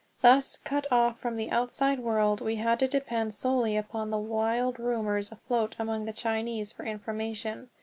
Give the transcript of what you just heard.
Thus, cut off from the outside world, we had to depend solely upon the wild rumors afloat among the Chinese for information.